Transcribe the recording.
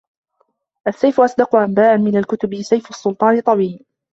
السيف أصدق أنباء من الكتب سيف السلطان طويل